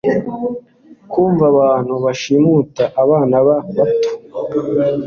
Kumva abantu bashimuta abana bato